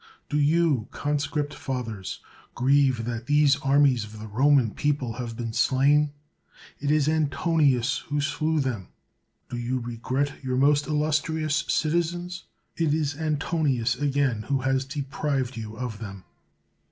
Do you, conscript fathers, grieve that these armies of the Roman people have been slain ? It is Antonius who slew them. Do you regret your most illustrious citi zens? It is Antonius, again, who has deprived you of them.